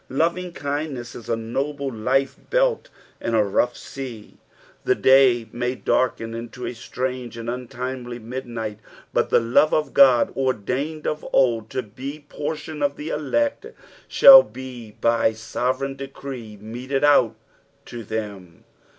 Loviog kfndness is a noble life bett in it rough sea. The day may darken into a sLiange and untimely midnight, but the love of Ood ordained of uld to be the portion of the elect, shall be by soTereign decree meted out to them.